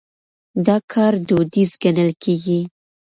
دا کار دوديز ګڼل کېږي.